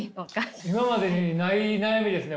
今までにない悩みですね